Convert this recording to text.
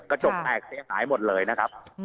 กระจกแตกเสียหายหมดเลยนะครับ